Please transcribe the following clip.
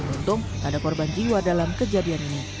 beruntung tak ada korban jiwa dalam kejadian ini